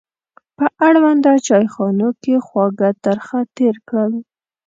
په اړونده چایخونه کې خواږه ترخه تېر کړل.